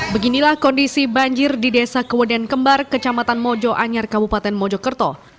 beginilah kondisi banjir di desa keweden kembar kecamatan mojoanyar kabupaten mojokerto